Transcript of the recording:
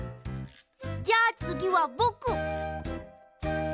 じゃあつぎはぼく！